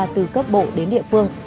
từ cấp bộ đến địa phương